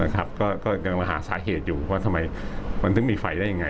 ก็ยังหาสาเหตุอยู่ว่าทำไมมันถึงมีไฟได้ยังไง